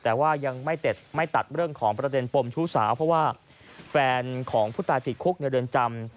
แต่ว่ายังไม่ตัดเรื่องของประเด็นปมชู้สาวเพราะว่าแฟนของผู้ตายติดคุกในเรือนจำ